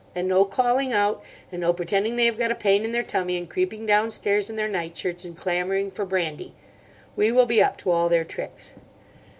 And no calling out, and no pretending they have got a pain in their tummy and creeping downstairs in their night shirts and clamouring for brandy. We will be up to all their tricks."